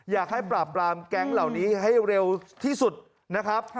อยากให้ปราบปรามแก๊งเหล่านี้ให้เร็วที่สุดนะครับ